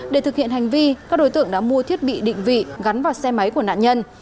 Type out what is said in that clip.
để thực hiện hành vi các đối tượng đã mua thiết bị định vị gắn vào xe máy của nạn nhân